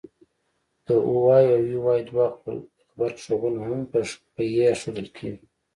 د oy او uy دوه غبرګغږونه هم په ی ښوول کېږي